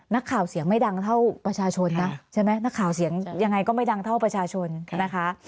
นักข่าวเสียงไม่ดังเท่าประชาชนนะใช่ไหมนักข่าวเสียงยังไงก็ไม่ดังเท่าประชาชนนะคะ